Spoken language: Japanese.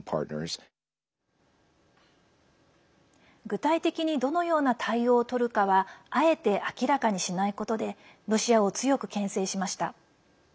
具体的にどのような対応をとるかはあえて明らかにしないことでロシアを強くけん制しました。